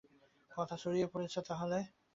কথা ছড়িয়ে পড়েছে তাহলে?